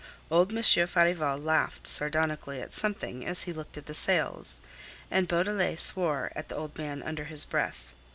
Old Monsieur Farival laughed sardonically at something as he looked at the sails, and Beaudelet swore at the old man under his breath.